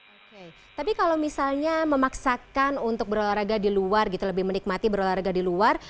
oke tapi kalau misalnya memaksakan untuk berolahraga di luar gitu lebih menikmati berolahraga di luar